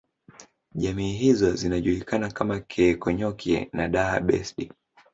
Jamii hizo zinajulikana kama Keekonyokie na Daha Besdi